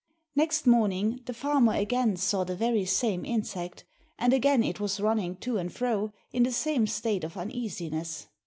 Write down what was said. Next morning the farmer again saw the very same insect, and again it was running to and fro in the same state of uneasiness.